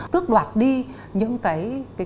tước đoạt đi những cái